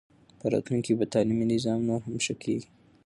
په راتلونکي کې به تعلیمي نظام نور هم ښه کېږي.